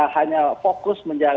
hanya fokus menjalankan